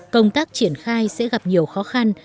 công tác triển khai sẽ gặp nhiều khó khăn